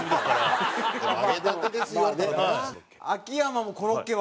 秋山もコロッケは？